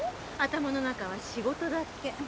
頭の中は仕事だけ。